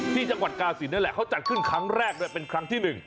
ที่จังหวัดกาศิลปนั่นแหละเขาจัดขึ้นครั้งแรกด้วยเป็นครั้งที่๑